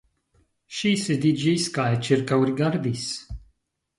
Ŝi sidiĝis kaj ĉirkaŭrigardis.